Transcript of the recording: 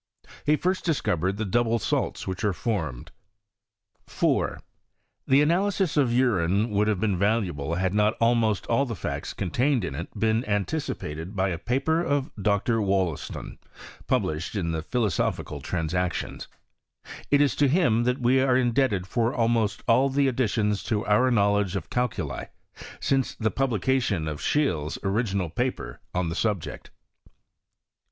He first described the double salts which are formed. 4, The analysis of urine would have been valuable '~ i not almost all the facts contained in it been 174 BisTOBT or OHsiimav. 1 anticipated by a pnperof Dr. Wollaston, published in the Philuaophical Tnuisactions. It is to htm dut we are iudebted for almost ail the additions to our knowledge of calculi since the publication ofScheele's original paper oa the subject.